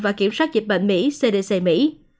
và kiểm soát dịch bệnh mỹ cdc mỹ